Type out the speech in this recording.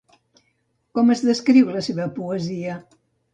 Com es descriu la seva poesia?